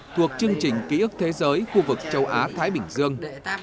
thuộc chương trình ký ức thế giới khu vực châu á thái bình dương